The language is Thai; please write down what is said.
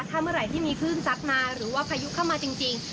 ถ้าเมื่อไหร่ที่มีคลื่นซัดมาหรือว่าพายุเข้ามาจริง